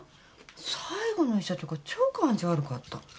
最後の医者とか超感じ悪かった。